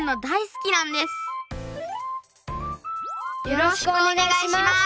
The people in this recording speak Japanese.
よろしくお願いします！